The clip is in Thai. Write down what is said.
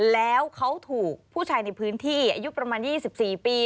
แล้วเขาถูกผู้ชายในพื้นที่อายุประมาณ๒๔ปี